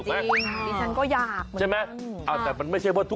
เป็นไปไม่ได้ครับ